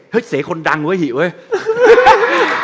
เห้ยเสรต์คนดังไปเห้ย